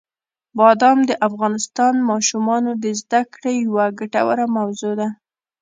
بادام د افغان ماشومانو د زده کړې یوه ګټوره موضوع ده.